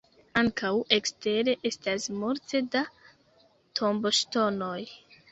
Ankaŭ ekstere estas multe da tomboŝtonoj.